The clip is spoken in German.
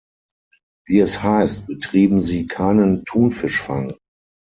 Wie es heißt, betreiben sie keinen Thunfischfang.